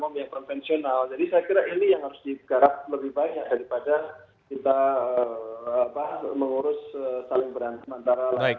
saling beranteman antara layanan konvensional